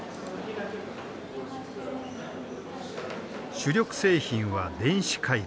主力製品は電子回路。